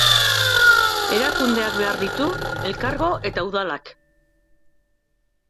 Erakundeak behar ditu, elkargo eta udalak.